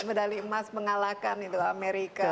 medali emas mengalahkan amerika